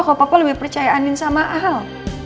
kalau papa lebih percaya andin sama al